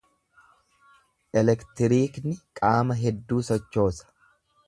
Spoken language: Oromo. Elektiriikni qaama hedduu sochoosa.